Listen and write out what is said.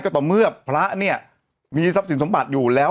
ต่อเมื่อพระเนี่ยมีทรัพย์สินสมบัติอยู่แล้ว